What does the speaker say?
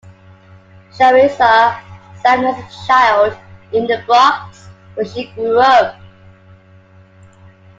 Sharissa sang as a child in The Bronx where she grew up.